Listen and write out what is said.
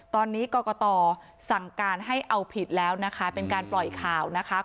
ตอนนี้กรกตสั่งการให้เอาผิดแล้วนะคะเป็นการปล่อยข่าวนะคะ